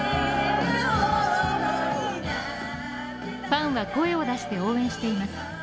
ファンは声を出して応援しています。